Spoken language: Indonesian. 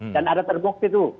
dan ada terbukti itu